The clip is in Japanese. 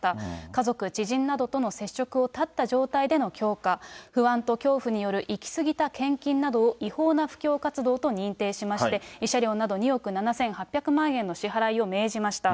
家族、知人などとの接触を断った状態での教化、不安と恐怖による行き過ぎた献金などを違法な布教活動と認定しまして、慰謝料など２億７８００万円の支払いを命じました。